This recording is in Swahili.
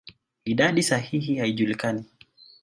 Idadi sahihi haijulikani.